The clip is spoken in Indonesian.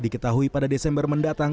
diketahui pada desember mendatang